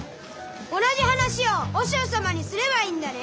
同じ話を和尚様にすればいいんだね？